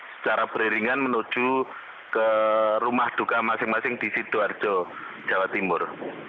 secara beriringan menuju ke rumah duka masing masing di sidoarjo jawa timur